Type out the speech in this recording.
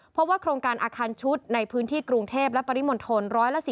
เพราะว่าโครงการอาคารชุดในพื้นที่กรุงเทพและปริมณฑล๑๔